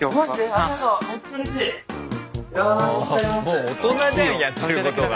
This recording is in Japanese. もう大人じゃんやってることが。